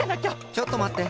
ちょっとまって。